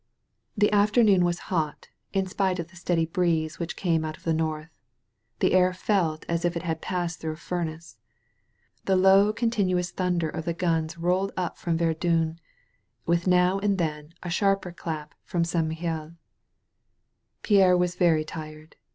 The afternoon was hot, in spite of the steady breeae which came out of the north. The air felt as if it had passed throu^ a furnace. The low, continuous thunder of the guns rolled up from Ver dun, with now and then a sharper dap from St. Mihiel. Pierre was very tired.